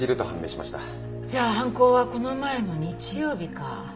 じゃあ犯行はこの前の日曜日か。